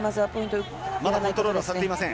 まだコントロールはされていません。